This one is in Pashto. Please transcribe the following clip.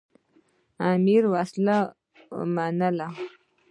امیر وسلې ومنلې.